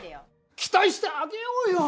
期待してあげようよ。